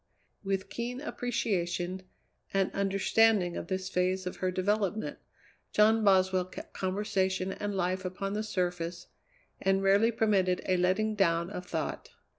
With keen appreciation and understanding of this phase of her development, John Boswell kept conversation and life upon the surface, and rarely permitted a letting down of thought.